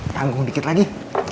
tanggung dikit lagi